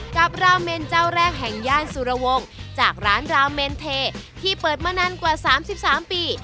ราเมนเจ้าแรกแห่งย่านสุรวงศ์จากร้านราเมนเทที่เปิดมานานกว่า๓๓ปี